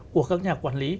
của các nhà quản lý